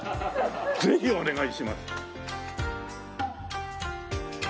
ぜひお願いします！